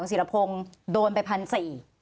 คุณสิรัพงค์โดนไปพันสี่